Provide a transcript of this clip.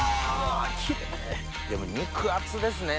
でも肉厚ですね